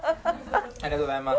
ありがとうございます。